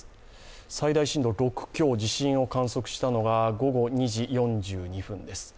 最大震度６強、地震を観測したのが午後２時４２分です。